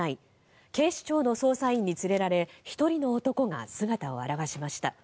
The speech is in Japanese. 警視庁の捜査員に連れられ１人の男が姿を現しました。